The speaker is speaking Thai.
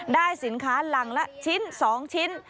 ได้สินค้าหลังละชิ้น๒ชิ้น